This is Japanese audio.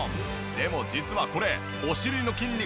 でも実はこれ。